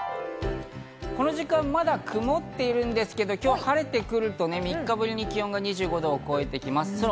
この時間まだ曇っているんですけど、今日は晴れてくると、３日ぶりに気温が２５度を超えてきます。